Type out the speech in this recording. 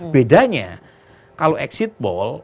bedanya kalau exit poll